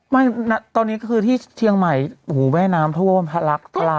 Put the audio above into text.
ไม่นะตอนนี้คือที่เชียงใหม่หูแม่น้ำเพราะว่าพระรักษณ์พระราย